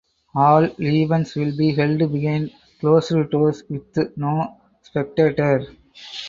All events will be held behind closed doors with no spectators.